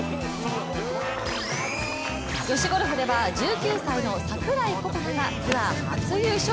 女子ゴルフでは１９歳の櫻井心那がツアー初優勝。